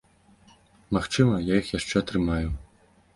Магчыма, я іх яшчэ атрымаю.